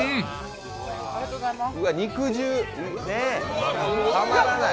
うわっ、肉汁たまらない！